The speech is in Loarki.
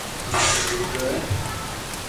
او مارو ھکرو ديڪرو ھي